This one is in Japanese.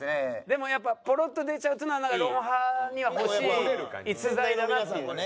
でもやっぱポロッと出ちゃうっていうのはなんか『ロンハー』には欲しい逸材だなっていう。